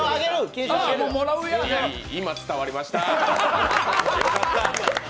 今、伝わりました。